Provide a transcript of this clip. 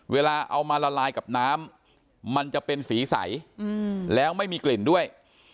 เวลาเอามาละลายกับน้ำมันจะเป็นสีใสแล้วไม่มีกลิ่นด้วย